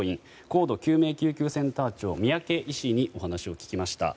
高度救命救急センター長三宅医師にお話を聞きました。